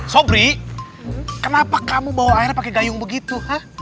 sobri kenapa kamu bawa air pakai gayung begitu